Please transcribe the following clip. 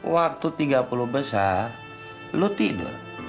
waktu tiga puluh besar lo tidur